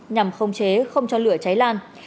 nhằm không chế không cho lửa cháy lan